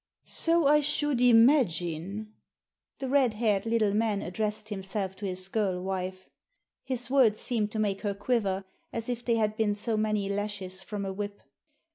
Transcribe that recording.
" So I should imagine." The red haired little man addressed himself to his girl wife. His words seemed to make her quiver as if they had been so many lashes from a whip.